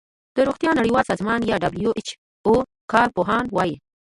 د روغتیا نړیوال سازمان یا ډبلیو ایچ او کار پوهان وايي